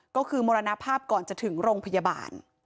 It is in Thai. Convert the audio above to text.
ก็คือมรณภาพก่อนจะถึงโรงพยาบาล